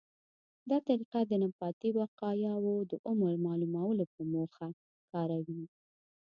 دا طریقه د نباتي بقایاوو د عمر معلومولو په موخه کاروي.